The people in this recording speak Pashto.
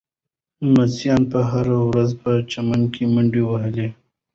لمسیانو به هره ورځ په چمن کې منډې وهلې.